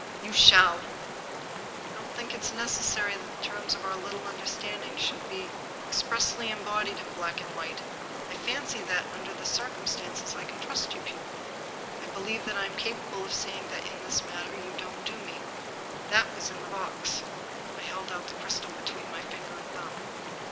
"You shall!" " I don't think it is necessary that the terms of our little understanding should be expressly embodied in black and white. I fancy that, under the circumstance, I can trust you, Pugh. I believe that I am capable of seeing that, in this matter, you don't do me. That was in the box." I held out the crystal between my finger and thumb.